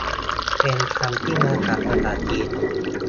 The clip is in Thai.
เป็นคำที่มาจากภาษาจีน